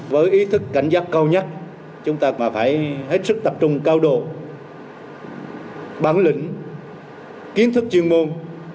với ý thức cảnh giác cao nhất chúng ta mà phải hết sức tập trung cao độ bản lĩnh kiến thức chuyên môn